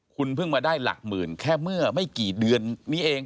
คุณเพิ่งมาได้หลักหมื่นแค่เมื่อไม่กี่เดือนนี้เอง